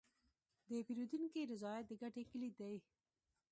د پیرودونکي رضایت د ګټې کلید دی.